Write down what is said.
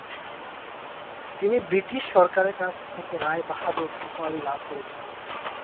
তিনি ব্রিটিশ সরকারের কাছ থেকে "রায় বাহাদুর" উপাধি লাভ করেন।